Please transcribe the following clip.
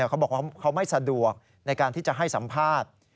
เขาบอกว่าเขาไม่สะดวกในการที่จะให้สัมภาษณ์